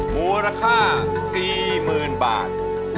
มูลค่า๔๐๐๐บาท